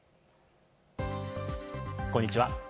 こんにちは。